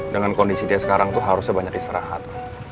dengan kondisi dia sekarang itu harusnya banyak istirahat